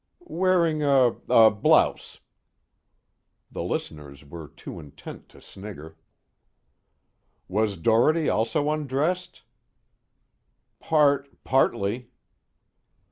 "Wearing a a blouse." The listeners were too intent to snigger. "Was Doherty also undressed?" "Part partly."